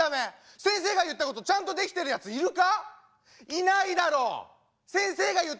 先生が言ったことちゃんとできてるの加賀だけだ。